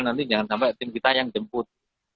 nanti jangan sampai tim kita yang jemput